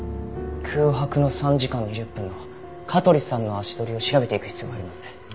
空白の３時間２０分の香取さんの足取りを調べていく必要がありますね。